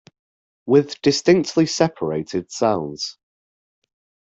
With distinctly separated sounds.